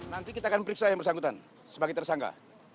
nanti kita akan periksa yang bersangkutan sebagai tersangka